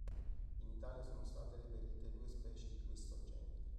In Italia sono state reperite due specie di questo genere.